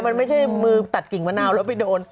มันไม่ใช่มือตัดกิ่งมะนาวแล้วไปโดน